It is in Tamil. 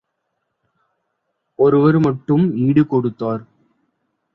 ஒருவர் மட்டும் ஈடு கொடுத்தார்.